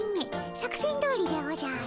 作戦どおりでおじゃる。